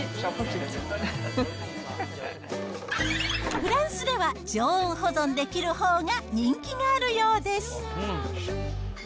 フランスでは常温保存できるほうが人気があるようです。